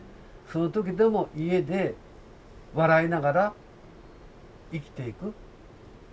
その時でも家で笑いながら生きていく。